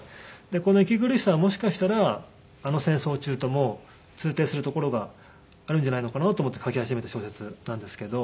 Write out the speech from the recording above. この息苦しさはもしかしたらあの戦争中とも通底するところがあるんじゃないのかなと思って書き始めた小説なんですけど。